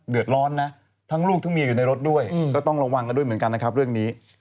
เดือดร้อนนะทั้งลูกทั้งเมียอยู่ในรถด้วยก็ต้องระวังกันด้วยเหมือนกันนะครับเรื่องนี้